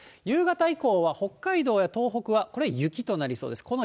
夕方以降は、北海道や東北はこれ、雪となりそうです。